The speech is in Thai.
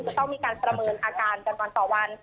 จะต้องมีการประเมินอาการกันวันต่อวัน